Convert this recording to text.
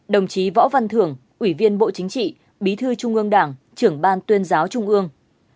đồng chí võ văn thưởng ủy viên bộ chính trị bí thư trung ương đảng trưởng ban tuyên giáo trung ương